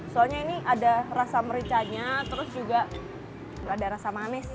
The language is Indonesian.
soalnya ini ada rasa mericanya terus juga ada rasa manis